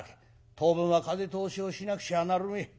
当分は風通しをしなくちゃなるめえ。